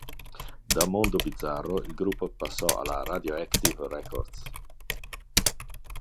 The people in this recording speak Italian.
Da "Mondo Bizarro" il gruppo passò alla Radioactive Records.